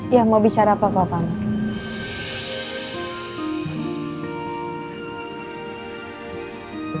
iya mau bicara apa pak amar